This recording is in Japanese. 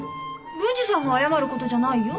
文治さんが謝る事じゃないよ。